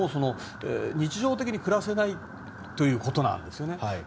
日常的に暮らせないことなんですよね。